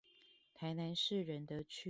臺南市仁德區